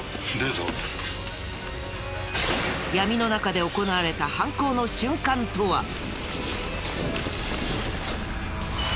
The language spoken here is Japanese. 闇の中で行われた犯行の瞬間とは。